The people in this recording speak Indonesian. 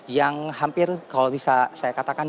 yang hampir kalau bisa saya katakan